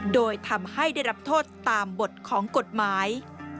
โดยทำให้ได้รับโทษตามบทของกฎหมาย